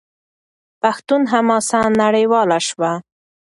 پښتون حماسه نړیواله شوه.